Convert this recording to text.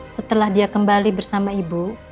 setelah dia kembali bersama ibu